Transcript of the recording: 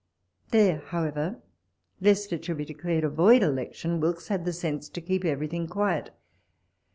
There, however, lest it should be declared a void election, Wilkes had the sense to keep everything quiet.